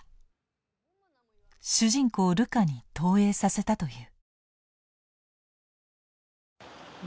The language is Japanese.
主人公ルカに投影させたという。